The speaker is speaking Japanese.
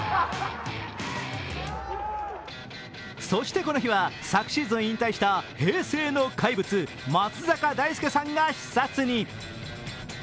そしてこの日は昨シーズン引退した、平成の怪物松坂大輔さんが視察に。